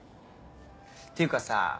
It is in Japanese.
ていうかさ